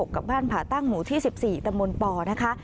กับบ้านผ่าตั้งหมู่ที่๑๔ตำบลปนะคะ